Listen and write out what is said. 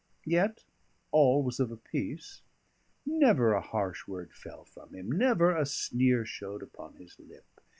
Yet all was of a piece. Never a harsh word fell from him, never a sneer showed upon his lip.